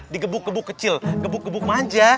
digebuk gebuk kecil gebuk gebuk manja